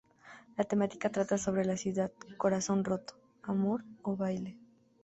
La temática trata sobre la ciudad, corazón roto, amor, o baile.